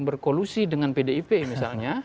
berkolusi dengan pdip misalnya